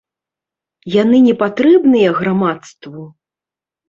Яны не патрэбныя грамадству?